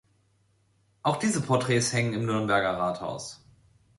Auch diese Porträts hängen im Nürnberger Rathaus.